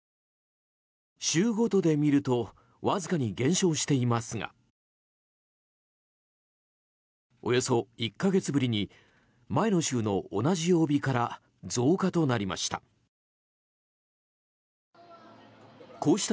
週ごとで見るとわずかに減少していますがおよそ１か月ぶりに前の週の同じ曜日から増加となりました。